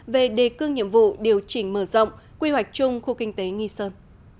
về đề cương nhiệm vụ điều chỉnh mở rộng quy hoạch chung khu kinh tế nghi sơn